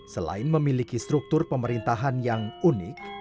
selain memiliki struktur pemerintahan yang unik